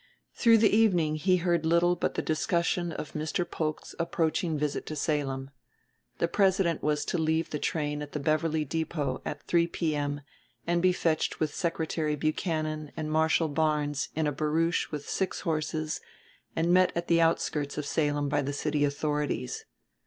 Through the evening he heard little but the discussion of Mr. Folk's approaching visit to Salem. The President was to leave the train at the Beverly Depot at three P.M. and be fetched with Secretary Buchanan and Marshal Barnes in a barouche with six horses and met at the outskirts of Salem by the city authorities.